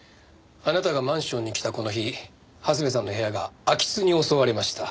あなたがマンションに来たこの日長谷部さんの部屋が空き巣に襲われました。